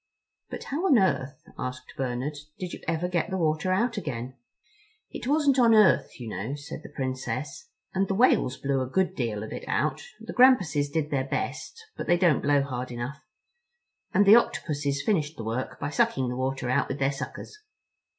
"But how on earth," asked Bernard, "did you ever get the water out again?" "It wasn't on earth, you know," said the Princess, "and the Whales blew a good deal of it out—the Grampuses did their best, but they don't blow hard enough. And the Octopuses finished the work by sucking the water out with their suckers."